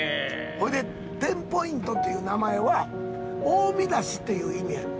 ほいでテンポイントっていう名前は大見出しっていう意味やねん。